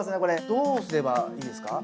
どうすればいいですか？